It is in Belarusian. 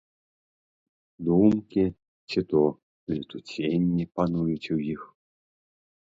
Думкі ці то летуценні пануюць у іх.